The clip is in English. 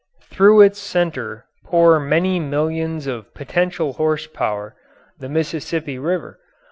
Through its centre pour many millions of potential horsepower the Mississippi River.